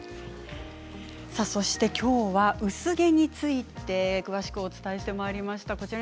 そしてきょうは薄毛についても詳しくお伝えしました。